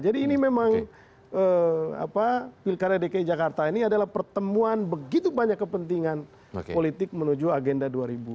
jadi ini memang pilkarya dki jakarta ini adalah pertemuan begitu banyak kepentingan politik menuju agenda dua ribu sembilan belas